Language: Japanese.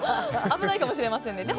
危ないかもしれませんね。